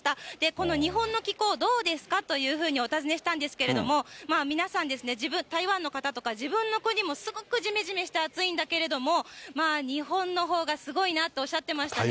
この日本の気候、どうですかというふうにお尋ねしたんですけれども、皆さんですね、台湾の方とか、自分の国もすごくじめじめして暑いんだけれども、日本のほうがすごいなとおっしゃってましたね。